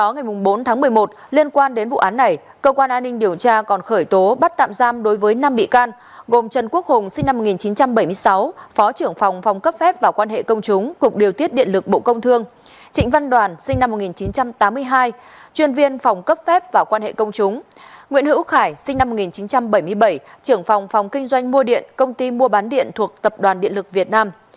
nguyễn hữu khải sinh năm một nghìn chín trăm bảy mươi bảy trưởng phòng phòng kinh doanh mua điện công ty mua bán điện thuộc tập đoàn điện lực việt nam